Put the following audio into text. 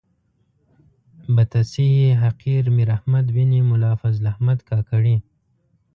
بتصحیح حقیر میر احمد بن ملا فضل احمد کاکړي.